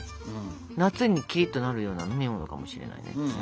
夏にキリッとなるような飲み物かもしれないですね。